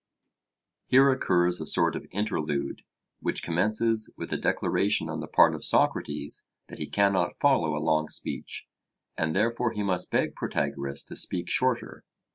Here occurs a sort of interlude, which commences with a declaration on the part of Socrates that he cannot follow a long speech, and therefore he must beg Protagoras to speak shorter.